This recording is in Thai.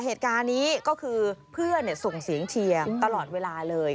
เหตุการณ์นี้ก็คือเพื่อนส่งเสียงเชียร์ตลอดเวลาเลย